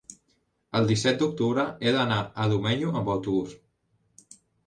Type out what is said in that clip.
El disset d'octubre he d'anar a Domenyo amb autobús.